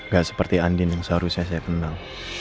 gak seperti andin yang seharusnya saya kenal